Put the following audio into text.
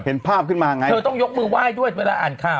เธอต้องยกมือไหว้ด้วยเวลาอ่านข่าว